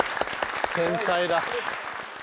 天才だ。